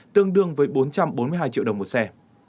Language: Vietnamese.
tương đương với bốn trăm bốn mươi hai triệu đồng một xe